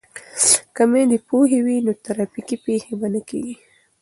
که میندې پوهې وي نو ترافیکي پیښې به نه کیږي.